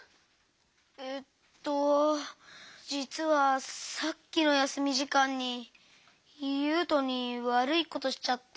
えっとじつはさっきのやすみじかんにゆうとにわるいことしちゃって。